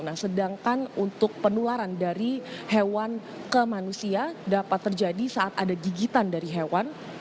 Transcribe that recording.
nah sedangkan untuk penularan dari hewan ke manusia dapat terjadi saat ada gigitan dari hewan